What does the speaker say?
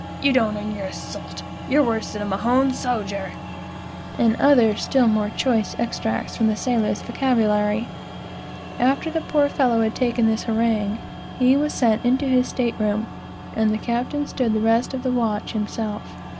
you don't earn your salt! you're worse than a Mahon soger!" and other still more choice extracts from the sailor's vocabulary. After the poor fellow had taken the harangue, he was sent into his state room, and the captain stood the rest of the watch himself.